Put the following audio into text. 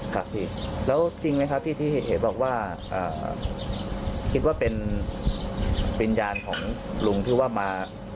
คิดว่ามามันนานกินเหล้าหรือเป็นอะไรใช่มั้ย